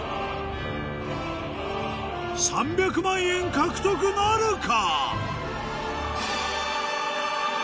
３００万円獲得なるか？